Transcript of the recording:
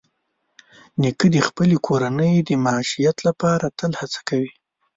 نیکه د خپلې کورنۍ د معیشت لپاره تل هڅه کوي.